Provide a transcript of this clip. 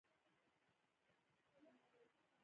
علم او پوهه د انسان فکر او شعور روښانه کوي.